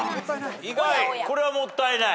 意外これはもったいない。